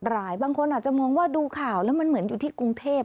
หลายคนอาจจะมองว่าดูข่าวแล้วมันเหมือนอยู่ที่กรุงเทพ